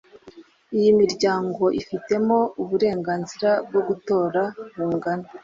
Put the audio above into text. Iyi miryango ifitemo uburenganzira bwo gutora bungana